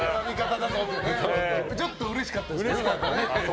ちょっとうれしかったですけど。